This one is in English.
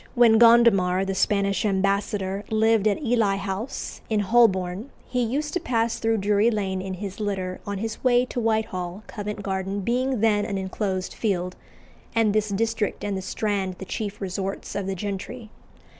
when Gondomar, the Spanish ambassador, lived at Ely House, in Holborn, he used to pass through Drury Lane in his litter on his way to Whitehall, Covent Garden being then an enclosed field, and this district and the Strand the chief resorts of the gentry.